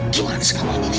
gimana sekarang ini